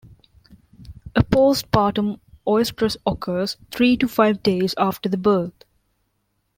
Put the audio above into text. A postpartum oestrus occurs three to five days after the birth.